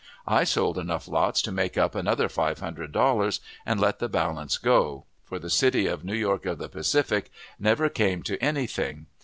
I sold enough lots to make up another five hundred dollars, and let the balance go; for the city of "New York of the Pacific" never came to any thing.